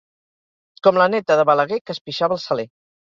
Com la Neta de Balaguer, que es pixava al saler.